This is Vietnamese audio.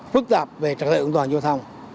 phức tạp về trật tự ẩn toàn giao thông